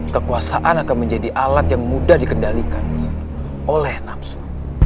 kekuasaan akan menjadi alat yang mudah dikendalikan oleh nafsu